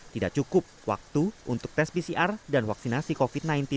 tidak cukup waktu untuk tes pcr dan vaksinasi covid sembilan belas